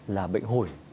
là bệnh hổi